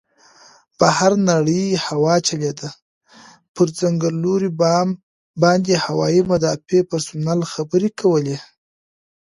بهر نرۍ هوا چلېده، پر څنګلوري بام باندې هوايي مدافع پرسونل خبرې کولې.